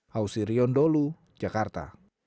hausi riondolu jakarta